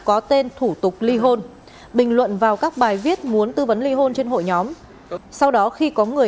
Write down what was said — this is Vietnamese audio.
có tên thủ tục ly hôn bình luận vào các bài viết muốn tư vấn ly hôn trên hội nhóm sau đó khi có người